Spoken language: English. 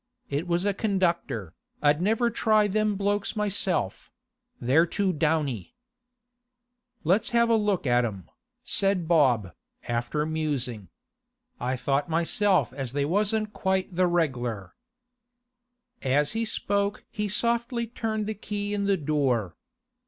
It was a conductor, I'd never try them blokes myself; they're too downy.' 'Let's have a look at 'em,' said Bob, after musing. 'I thought myself as they wasn't quite the reg'lar.' As he spoke he softly turned the key in the door.